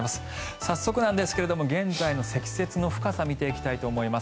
早速なんですが現在の積雪の深さを見ていきたいと思います。